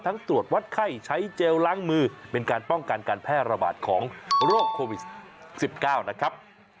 ตรวจวัดไข้ใช้เจลล้างมือเป็นการป้องกันการแพร่ระบาดของโรคโควิด๑๙นะครับ